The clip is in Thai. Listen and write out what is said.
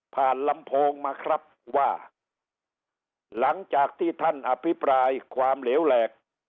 ลำโพงมาครับว่าหลังจากที่ท่านอภิปรายความเหลวแหลก